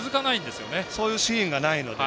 そういうシーンがないので。